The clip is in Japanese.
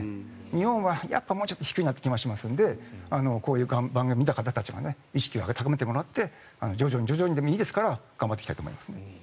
日本はもうちょっと低いという気がしますのでこういう番組を見た方たちは意識を高めてもらって徐々に徐々にでもいいですから頑張っていきたいと思いますね。